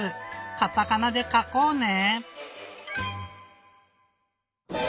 カタカナでかこうね！